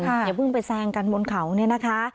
อย่าเพิ่งไปแซงกันบนเขาเนี่ยนะคะ